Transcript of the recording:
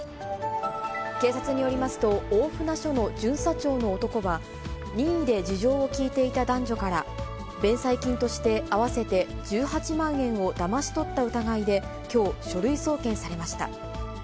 警察によりますと、大船署の巡査長の男は、任意で事情を聴いていた男女から、弁済金として合わせて１８万円をだまし取った疑いで、きょう、書類送検されました。